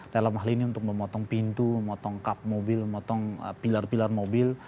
dalam hal ini untuk memotong pintu memotong kap mobil memotong pilar pilar mobil